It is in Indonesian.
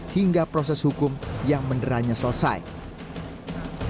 hingga proses hukum yang meneranya selanjutnya